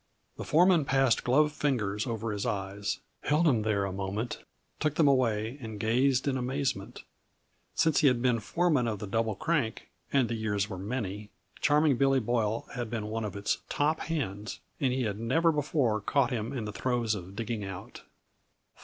The foreman passed gloved fingers over his eyes, held them there a moment, took them away and gazed in amazement; since he had been foreman of the Double Crank and the years were many Charming Billy Boyle had been one of its "top hands," and he had never before caught him in the throes of "digging out."